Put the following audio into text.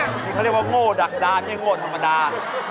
นี่เขาเรียกว่าโง่ดักดานี่โง่ธรรมดา